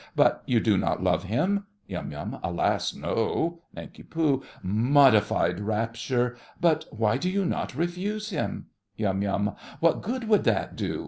But you do not love him? YUM. Alas, no! NANK. Modified rapture! But why do you not refuse him? YUM. What good would that do?